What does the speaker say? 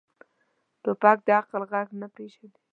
توپک د عقل غږ نه پېژني.